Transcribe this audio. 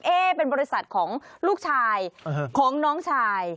เป็นบริษัทของลูกชายของน้องชาย